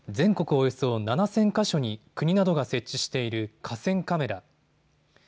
およそ７０００か所に国などが設置している河川カメラ。